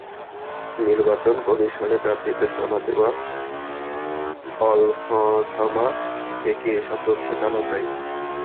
নির্বাচন কমিশনে প্রার্থীদের জমা দেওয়া হলফনামা থেকে এসব তথ্য জানা যায়।